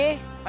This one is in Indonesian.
kita balik lagi